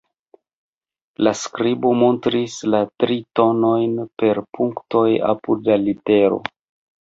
La skribo montris la tri tonojn per punktoj apud la litero.